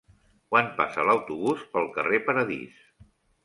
Quan passa l'autobús pel carrer Paradís?